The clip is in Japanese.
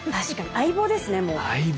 相棒です。